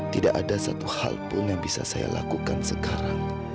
tidak ada satu hal pun yang bisa saya lakukan sekarang